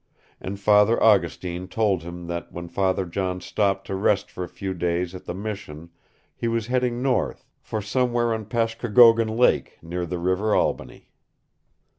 And Father Augustine told him that when Father John stopped to rest for a few days at the Mission he was heading north, for somewhere on Pashkokogon Lake near the river Albany.